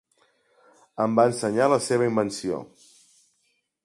Em va ensenyar la seva invenció.